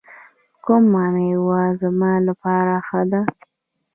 کومه میوه زما لپاره ښه ده؟